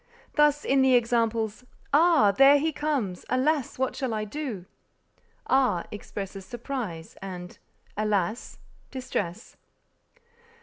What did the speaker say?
Thus in the examples, "Ah! there he comes; alas! what shall I do?" ah, expresses surprise, and alas, distress.